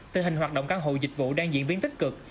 tình hình hoạt động căn hộ dịch vụ đang diễn biến tích cực